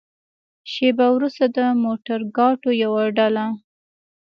شېبه وروسته د موترګاټو يوه ډله.